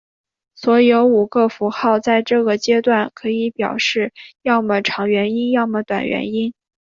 所有五个符号在这个阶段可以表示要么长元音要么短元音。